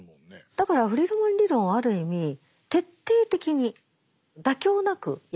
だからフリードマン理論をある意味徹底的に妥協なくやったわけですね。